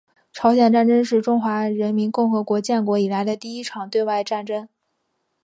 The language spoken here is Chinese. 朝鲜战争是中华人民共和国建国以来的第一场对外战争。